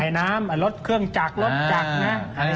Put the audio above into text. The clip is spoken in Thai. น้ำรถเครื่องจักรรถจักรนะ